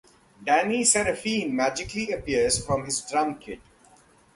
Danny Seraphine magically appears from his drum kit.